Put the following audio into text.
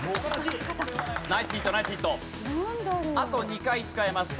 あと２回使えます。